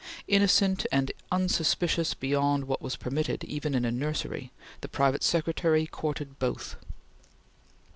Innocent and unsuspicious beyond what was permitted even in a nursery, the private secretary courted both.